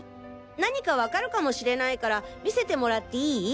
何かわかるかもしれないから見せてもらっていい？